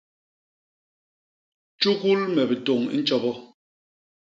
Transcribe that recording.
Tjugul me bitôñ i ntjobo.